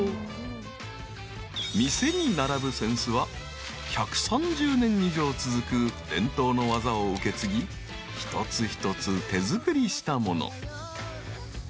［店に並ぶ扇子は１３０年以上続く伝統の技を受け継ぎ一つ一つ手作りしたもの］